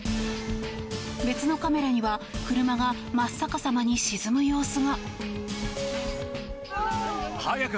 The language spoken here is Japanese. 別のカメラには車が真っ逆さまに沈む様子が。